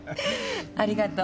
ありがとう。